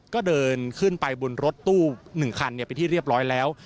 ก็เดินขึ้นไปบนรถตู้๑คันเป็นที่เรียบร้อยแล้ว